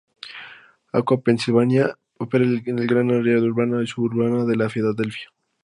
Aqua Pennsylvania opera en el gran área urbana y suburbana de Filadelfia.